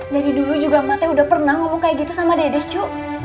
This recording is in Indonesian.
dari dulu juga mati udah pernah ngomong kayak gitu sama dede cu